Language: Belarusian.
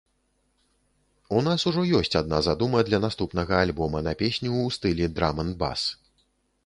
У нас ужо ёсць адна задума для наступнага альбома на песню ў стылі драм-н-бас.